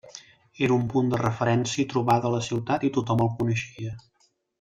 Era un punt de referència i trobada a la ciutat i tothom el coneixia.